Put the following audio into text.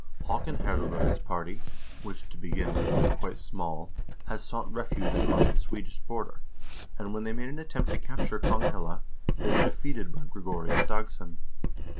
Haakon Herdebreid's party, which, to begin with, was quite small, had sought refuge across the Swedish border, and when they made an attempt to capture Konghelle, they were defeated by Gre gorius Dagss0n.